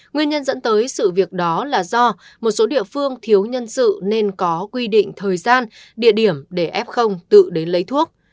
nguyên nhân dẫn tới sự việc đó là do một số địa phương thiếu nhân sự nên có quy định thời gian địa điểm để f tự đến lấy thuốc